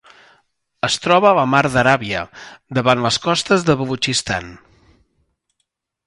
Es troba a la Mar d'Aràbia: davant les costes de Balutxistan.